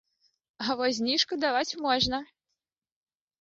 А вось зніжку даваць можна.